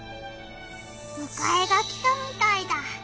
むかえが来たみたいだ。